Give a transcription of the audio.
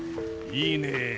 いいねえ